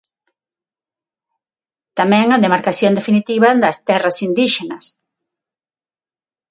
Tamén a demarcación definitiva das terras indíxenas.